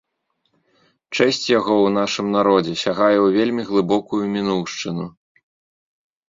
Чэсць яго ў нашым народзе сягае ў вельмі глыбокую мінуўшчыну.